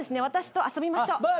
私と遊びましょう。